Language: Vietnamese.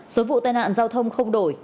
số vụ tai nạn giao thông không đổi